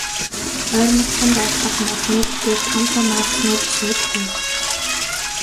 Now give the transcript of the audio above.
Ойрмогхон байрлах моднууд дээр том том аалзнууд сууж байна.